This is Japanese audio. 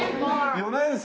４年生。